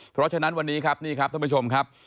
เพราะฉะนั้นวันนี้ครับนี่ครับท่านผู้ชมครับ